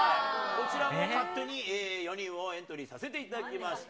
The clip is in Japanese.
こちらも勝手に４人をエントリーさせていただきました。